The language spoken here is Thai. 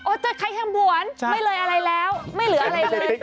โอ้โธ่ใครแท่บ้วนไม่เหลืออะไรแล้วไม่เหลืออะไรเลยไม่ใช่เหรอ